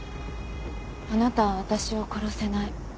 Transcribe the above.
あなたは私を殺せない。